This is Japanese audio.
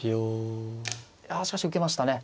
あしかし受けましたね。